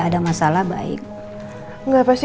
basically ibu terima kasih semua